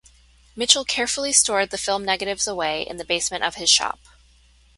Mitchell carefully stored the film negatives away in the basement of his shop.